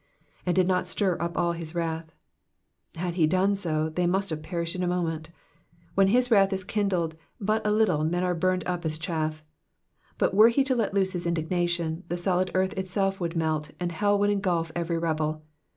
*'^And did not stir up all his vrrathy Had he done so they must have perished in a moment. When his wrath is kindled but a little men are burned up as chaff ; but were he to let loose his indigna tion, the solid earth itself would melt, and hell would engulf every rebel.